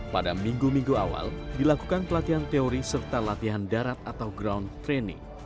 pada minggu minggu awal dilakukan pelatihan teori serta latihan darat atau ground training